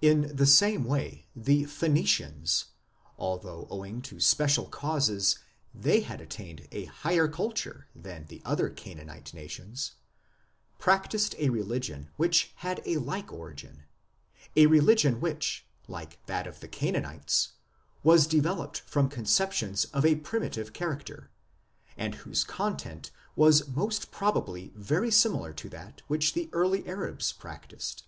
8 In the same way, the Phoenicians, although owing to special causes they had attained a higher culture than the other Canaanite nations, practised a religion which had a like origin, a religion which, like that of the Canaanites, was developed from conceptions of a primitive character, and whose content was most probably very similar to that which the early Arabs practised.